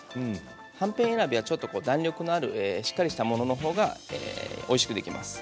はんぺん選びは弾力があるしっかりしたもののほうがおいしくできます。